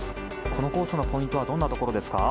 このコースのポイントどんなところですか？